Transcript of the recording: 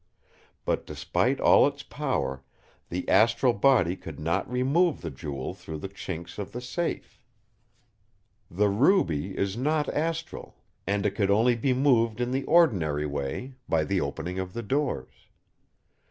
But despite all its power, the astral body could not remove the Jewel through the chinks of the safe. The Ruby is not astral; and it could only be moved in the ordinary way by the opening of the doors.